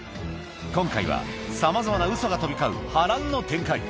今回は、さまざまなウソが飛び交う波乱の展開。